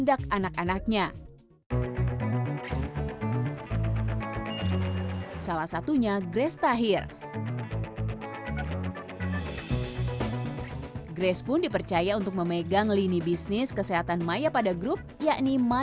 apakah sudah mencapai di titik ini